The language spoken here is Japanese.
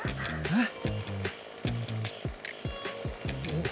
あっ！